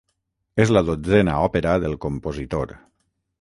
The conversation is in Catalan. És la dotzena òpera del compositor.